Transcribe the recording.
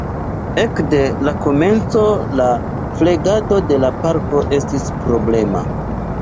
Ekde la komenco la flegado de la parko estis problema.